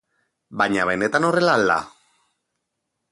Baina benetan horrela al da?